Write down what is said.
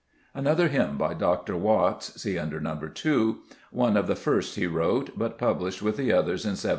Another hymn by Dr. Watts (see under No. 2) ; one of the first he wrote, but published with the others in 1707.